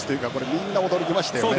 みんな驚きましたよね。